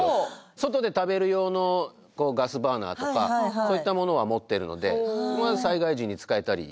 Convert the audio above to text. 外で食べる用のガスバーナーとかそういったものは持ってるので災害時に使えたりしますよね。